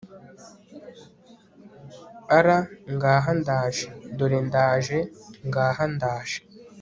r/ ngaha ndaje (dore ndaje), ngaha ndaje